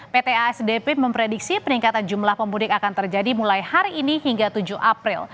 pt asdp memprediksi peningkatan jumlah pemudik akan terjadi mulai hari ini hingga tujuh april